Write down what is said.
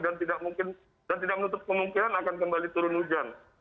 dan tidak menutup kemungkinan akan kembali turun hujan